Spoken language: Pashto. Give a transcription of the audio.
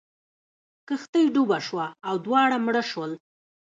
کښتۍ ډوبه شوه او دواړه مړه شول.